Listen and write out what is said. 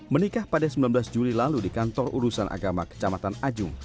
menikah pada sembilan belas juli lalu di kantor urusan agama kecamatan ajung